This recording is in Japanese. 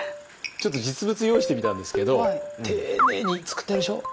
ちょっと実物用意してみたんですけど丁寧に作ってあるでしょう？